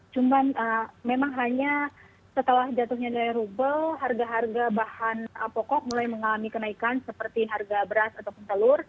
cuma memang hanya setelah jatuhnya dari rubel harga harga bahan pokok mulai mengalami kenaikan